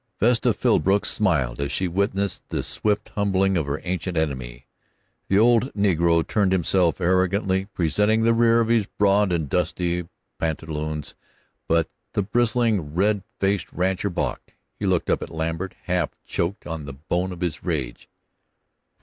Vesta Philbrook smiled as she witnessed this swift humbling of her ancient enemy. The old negro turned himself arrogantly, presenting the rear of his broad and dusty pantaloons; but the bristling, red faced rancher balked. He looked up at Lambert, half choked on the bone of his rage.